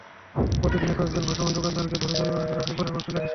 প্রতিদিনই কয়েকজন ভাসমান দোকানদারকে ধরে জরিমানা করা হয়, পরে আবার চলে আসে।